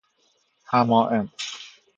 حمائم